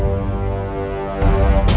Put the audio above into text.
kita tolarkan dia